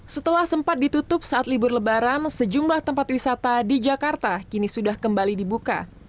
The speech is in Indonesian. setelah sempat ditutup saat libur lebaran sejumlah tempat wisata di jakarta kini sudah kembali dibuka